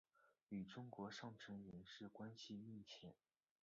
与中国上层人士关系密切。